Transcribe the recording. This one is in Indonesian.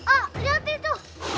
ah lihat itu